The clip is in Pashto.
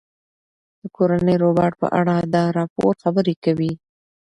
د کورني روباټ په اړه دا راپور خبرې کوي.